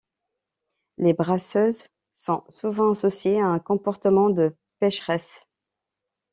Les brasseuses sont souvent associées à un comportement de pécheresses.